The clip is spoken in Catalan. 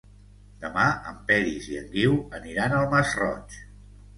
Demà en Peris i en Guiu aniran al Masroig.